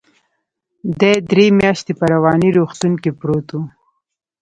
دى درې مياشتې په رواني روغتون کې پروت و.